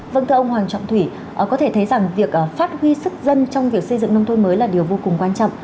vâng thưa ông hoàng trọng thủy có thể thấy rằng việc phát huy sức dân trong việc xây dựng nông thôn mới là điều vô cùng quan trọng